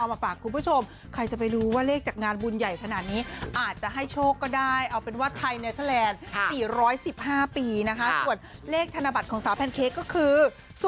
มาฝากคุณผู้ชมใครจะไปรู้ว่าเลขจากงานบุญใหญ่ขนาดนี้อาจจะให้โชคก็ได้เอาเป็นว่าไทยเนเทอร์แลนด์๔๑๕ปีนะคะส่วนเลขธนบัตรของสาวแพนเค้กก็คือ